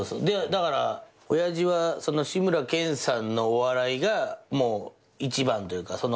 だから親父は志村けんさんのお笑いがもう一番というか。